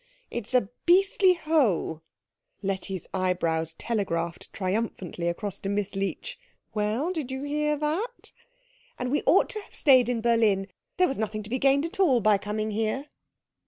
It's a beastly hole" Letty's eyebrows telegraphed triumphantly across to Miss Leech, "Well, did you hear that?" "and we ought to have stayed in Berlin. There was nothing to be gained at all by coming here."